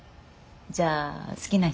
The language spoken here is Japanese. じゃあ好きな人は？